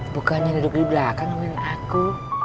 bukannya duduk di belakang namanya aku